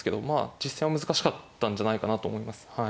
実戦は難しかったんじゃないかなと思いますはい。